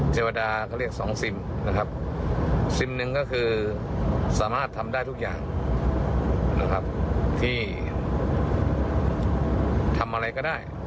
เจวดาเค้าเรียก๒ซิมนะครับซิมนึงก็คือสามารถทำได้ทุกอย่างทำอะไรก็ได้